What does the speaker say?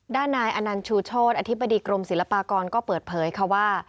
ด้านนายอนันต์ชูโชธอธิบดีกรมศิลปากรก็เปิดเผยค่ะว่า